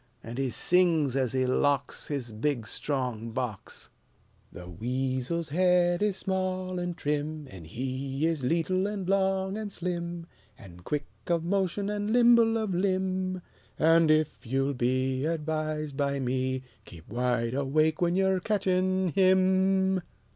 And he sings as he locks His big strong box: SONG "The weasel's head is small an' trim, An' he is leetle an' long an' slim, An' quick of motion an' nimble of limb, An' ef yeou'll be Advised by me, Keep wide awake when ye're ketchin' him!"